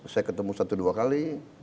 saya ketemu satu dua kali